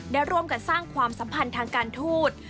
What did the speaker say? ได้ร่วมกันสร้างความสัมพันธ์ทางการทูต